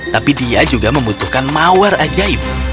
tapi dia juga membutuhkan mawar ajaib